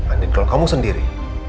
andi kalau kamu sendiri